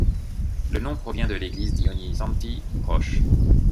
Le nom provient de l'Église di Ognissanti, proche.